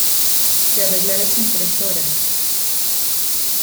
de arreglar esa impresora.